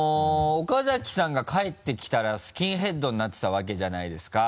岡崎さんが帰ってきたらスキンヘッドになってたわけじゃないですか。